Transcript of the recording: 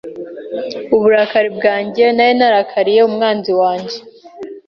uburakari bwanjye Nari narakariye umwanzi wanjye